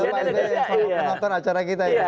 siaran pak s b menonton acara kita ini